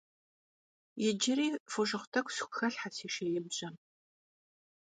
Yicıri foşşığu t'ek'u sxuelhhe si şşêibjem.